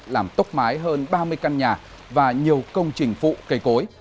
làm tốc mái hơn ba mươi căn nhà và nhiều công trình phụ cây cối